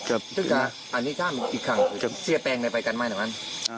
อันนี้ค่ะอีกครั้งเสียแปลงในไปกันไม่เหรอมัน